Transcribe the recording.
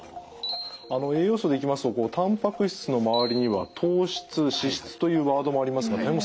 栄養素でいきますと「タンパク質」の周りには「糖質」「脂質」というワードもありますが谷本さん